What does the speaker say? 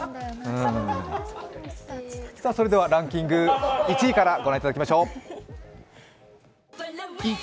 それではランキング１位からご覧いただきましょう。